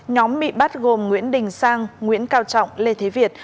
nhóm bị bắt gồm nguyễn đình sang nguyễn cao trọng lê thế việt